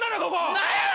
何や！